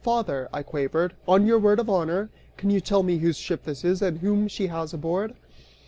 "Father," I quavered, "on your word of honor, can you tell me whose ship this is, and whom she has aboard?"